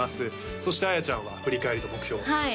そして綾ちゃんは振り返りと目標はい